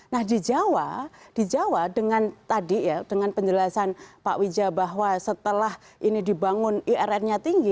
nah di jawa di jawa dengan tadi ya dengan penjelasan pak wija bahwa setelah ini dibangun irn nya tinggi